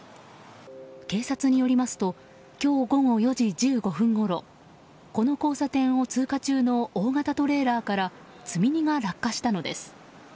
警察によりますと今日午後４時１５分ごろこの交差点を通過中の大型トレーラーから積み荷が落下したのです。